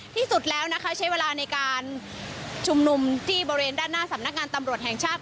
ที่สุดแล้วนะคะใช้เวลาในการชุมนุมที่บริเวณด้านหน้าสำนักงานตำรวจแห่งชาติ